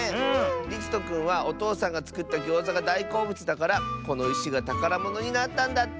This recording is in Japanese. りつとくんはおとうさんがつくったギョーザがだいこうぶつだからこのいしがたからものになったんだって！